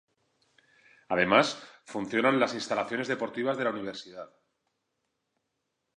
Además, funcionan las instalaciones deportivas de la Universidad.